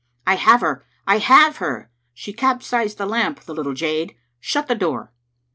" I have her, I have her! She capsized the lamp, the little jade. Shut the door."